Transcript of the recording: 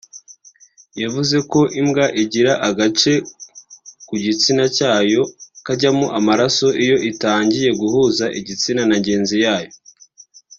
yavuze ko Imbwa igira agace ku gitsina cyayo kajyamo amaraso iyo itangiye guhuza igitsina na ngenzi yayo